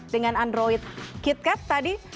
dengan android kitkat tadi